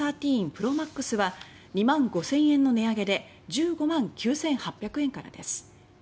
ＰｒｏＭａｘは２万５０００円の値上げで１５万９８００円からです。